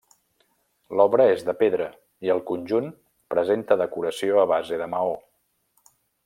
L'obra és de pedra, i el conjunt presenta decoració a base de maó.